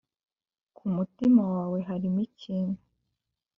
ku mutima wawe harimo ikintu